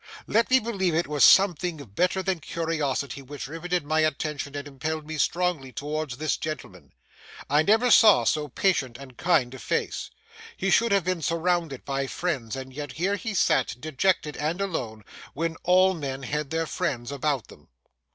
Let me believe it was something better than curiosity which riveted my attention and impelled me strongly towards this gentleman. I never saw so patient and kind a face. He should have been surrounded by friends, and yet here he sat dejected and alone when all men had their friends about them.